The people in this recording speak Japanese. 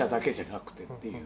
っていう。